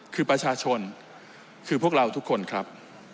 คือประชาชนคือพวกเราทุกคนครับ